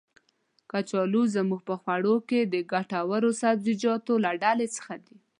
کچالو زمونږ په خواړو کې د ګټور سبزيجاتو له ډلې څخه دی.